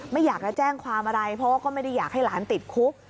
ไม่อยากจะแจ้งความอะไรเพราะว่าก็ไม่ได้อยากให้หลานติดคุก